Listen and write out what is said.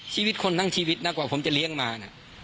ชีวิตคนทั้งชีวิตนะกว่าผมจะเลี้ยงมานะ